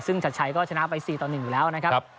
ซึ่งชัดชัยก็ชนะไป๔ต่อ๑อยู่แล้วนะครับ